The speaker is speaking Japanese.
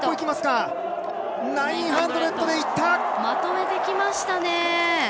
まとめてきましたね。